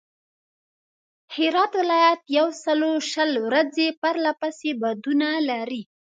هرات ولایت یوسلوشل ورځي پرله پسې بادونه لري.